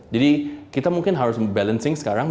jadi kita mungkin harus balancing sekarang